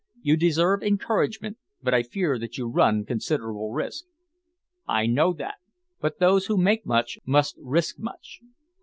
You deserve encouragement but I fear that you run considerable risk." "I know that; but those who make much must risk much."